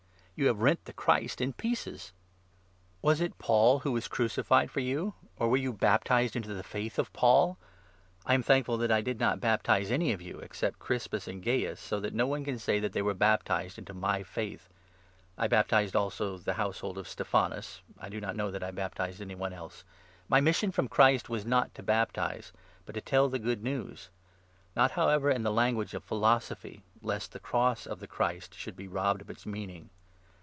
You have rent the Christ in 13 pieces ! Was it Paul who was crucified for you ? or were you baptized into the Faith of Paul ? I am thankful that I 14 did not baptize any of you except Crispus and Gaius, so that 15 no one can say that you were baptized into my Faith. I 16 baptized also the household of Stephanas. I do not know that I baptized any one else. My mission from Christ was 17 not to baptize, but to tell the Good News ; not, however, in the language of philosophy, lest the cross of the Christ should be robbed of its meaning.